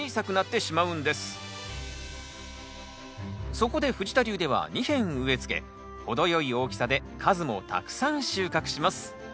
そこで藤田流では２片植え付け程よい大きさで数もたくさん収穫します